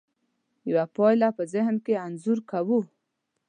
یوه پایله په ذهن کې انځور کوو.